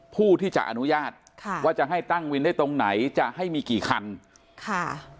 ผู้ที่จะอนุญาตค่ะว่าจะให้ตั้งวินได้ตรงไหนจะให้มีกี่คันค่ะ